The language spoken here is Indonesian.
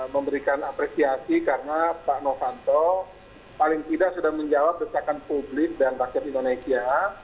memberikan apresiasi karena pak novanto paling tidak sudah menjawab desakan publik dan rakyat indonesia